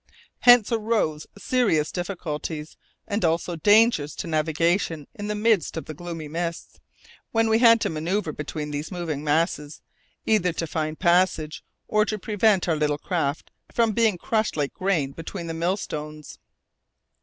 Hence arose serious difficulties and also dangers to navigation in the midst of the gloomy mists, when we had to manoeuvre between these moving masses, either to find passage or to prevent our little craft from being crushed like grain between the millstones.